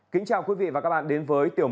kính chào quý vị và các bạn đến với tiểu mục